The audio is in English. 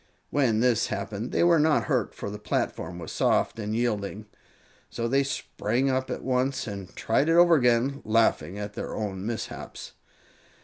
When this happened they were not hurt, for the platform was soft and yielding; so they sprang up at once and tried it over again, laughing at their own mishaps.